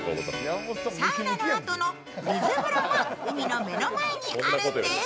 サウナのあとの水風呂も海の目の前にあるんです。